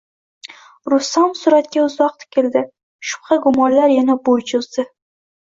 Rustam suratga uzoq tikildi, shubha-gumonlar yana bo`y cho`zdi